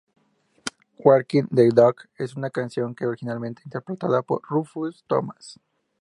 Walkin' the Dog, es una canción que originalmente interpretada por Rufus Thomas.